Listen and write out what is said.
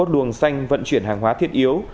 luồng xanh vận chuyển hàng hóa thiết yếu